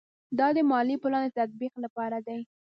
دا د مالي پلان د تطبیق لپاره دی.